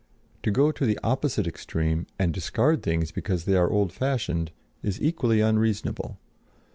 To go to the opposite extreme and discard things because they are old fashioned is equally unreasonable.